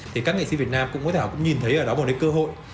thì các nghệ sĩ việt nam cũng có thể nhìn thấy ở đó một cái cơ hội